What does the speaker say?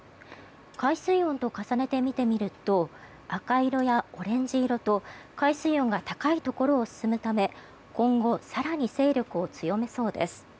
海水温と重ねて見てみると赤色やオレンジ色と海水温が高いところを進むため今後、更に勢力を強めそうです。